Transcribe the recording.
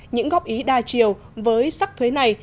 những góp ý đa chiều với sắc thuế này